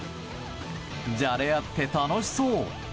じゃれ合って楽しそう。